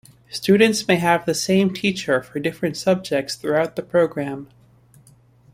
Students may have the same teacher for different subjects throughout the programme.